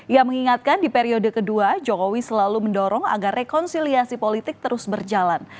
ia mengingatkan di periode kedua jokowi selalu mendorong agar rekonsiliasi politik terus berjalan